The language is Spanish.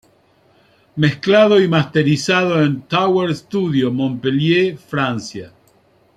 Mezclado y Masterizado en: Tower Studio, Montpellier Francia.